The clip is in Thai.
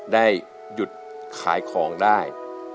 ได้หยุดขายของได้